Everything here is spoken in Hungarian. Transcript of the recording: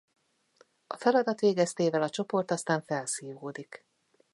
A feladat végeztével a csoport aztán felszívódik.